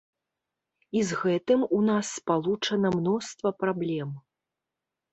І з гэтым у нас спалучана мноства праблем.